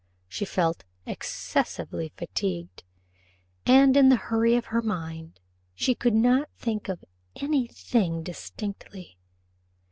She felt excessively fatigued, and in the hurry of her mind she could not think of any thing distinctly.